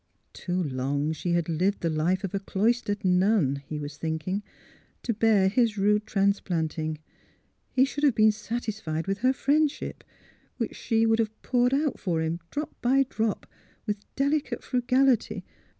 Too long she had lived the life of a clois tered nun (he was thinking) to bear his rude transplanting. He should have been satisfied with her friendship, which she would have poured out for him, drop by drop, with delicate frugality.